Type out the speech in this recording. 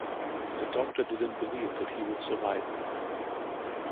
The doctor didn't believe that he would survive.